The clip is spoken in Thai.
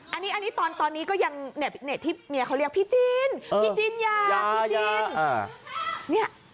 อันนี้ตอนนี้ก็ยังที่เมียเขาเรียกพี่จินพี่จินยาพี่จิน